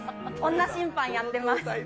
女審判やってます。